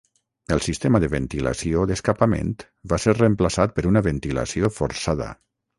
El sistema de ventilació d'escapament va ser reemplaçat per una ventilació forçada.